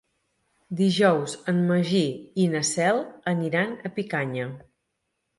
Dijous en Magí i na Cel aniran a Picanya.